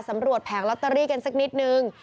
แผงลอตเตอรี่กันสักนิดนึง